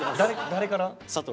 誰から？